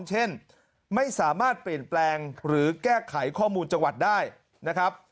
เช่นไม่สามารถเปลี่ยนแปลงหรือแก้ไขข้อมูลจังหวัดได้นะครับ